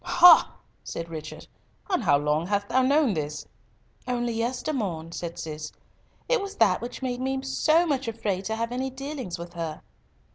"Ha!" said Richard, "and how long hast thou known this?" "Only yestermorn," said Cis; "it was that which made me so much afraid to have any dealings with her."